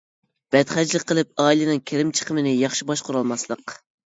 بەتخەجلىك قىلىپ ئائىلىنىڭ كىرىم-چىقىمىنى ياخشى باشقۇرالماسلىق.